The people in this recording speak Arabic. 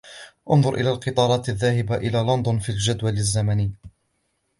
انظر إلى القطارات الذاهبة إلى لندن في الجدول الزمني.